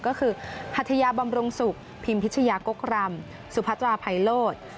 ก็คือพัทยาบำรุงศุกร์พิมพิชยากกรำสุพัตราภัยโลศ